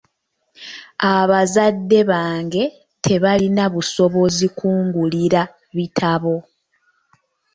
Abazadde bange tebalina busobozi kungulira bitabo.